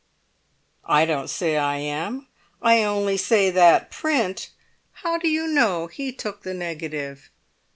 "I don't say I am. I only say that print——" "How do you know he took the negative?"